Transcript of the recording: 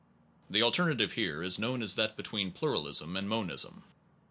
The alternative here is known as that be tween pluralism and monism.